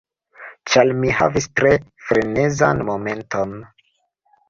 Ĉar mi havis tre frenezan momenton.